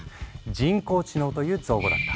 人工知能という造語だった。